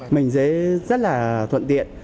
mình sẽ rất là thuận tiện